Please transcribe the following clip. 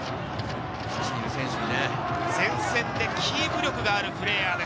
前線でキープ力があるプレーヤーです。